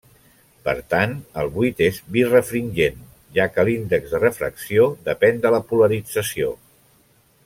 Per tant, el buit és birefringent, ja que l'índex de refracció depèn de la polarització.